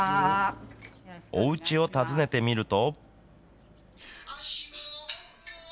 おうちを訪ねてみると。